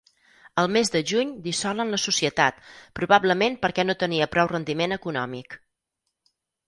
El mes de juny dissolen la societat, probablement perquè no tenia prou rendiment econòmic.